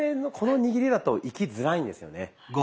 この握りだといきづらいんですよね。